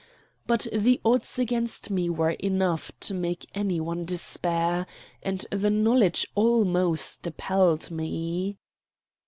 But the odds against me were enough to make any one despair, and the knowledge almost appalled me.